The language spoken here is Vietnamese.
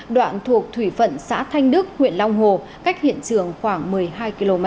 đoạn thuộc thủy phận xã thanh đức huyện long hồ cách hiện trường khoảng một mươi hai km